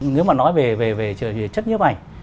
nếu mà nói về chất nhiếp ảnh